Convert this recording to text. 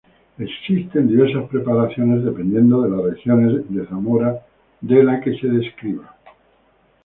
Existen diversas preparaciones dependiendo de las regiones de Zamora de la que se describa.